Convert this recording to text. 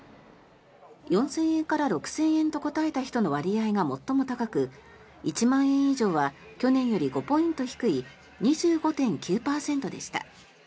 ４０００円から６０００円と答えた人の割合が最も高く１万円以上は去年より５ポイント低い２５．９％でした。